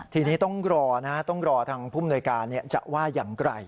ทีนี้ต้องรอทางผู้มนุยการจะว่าอย่างไกล